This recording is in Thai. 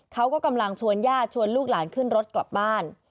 เขาก็กำลังชวนญาติชวนลูกหลานขึ้นรถกลับบ้าน